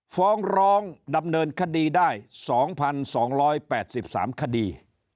ฟองรองดำเนินคดีได้สองพันสองร้อยแปดสิบสามคดี